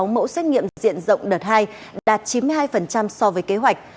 một trăm linh sáu mẫu xét nghiệm diện rộng đợt hai đạt chín mươi hai so với kế hoạch